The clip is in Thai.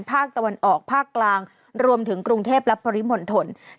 ภาคตะวันออกภาคกลางรวมถึงกรุงเทพและปริมณฑล